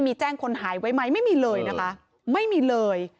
มีแจ้งคนหายไว้ไหมไม่มีเลยนะคะไม่มีเลย